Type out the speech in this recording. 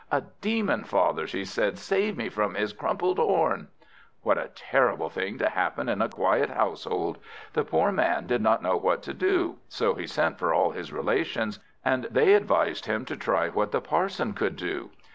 "A demon, father!" she said; "save me from his crumpled horn." What a terrible thing to happen in a quiet household! The poor man did not know what to do. So he sent for all his relations, and they advised him to try what the parson could do.